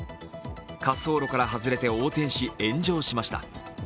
滑走路から外れて横転し、炎上しました。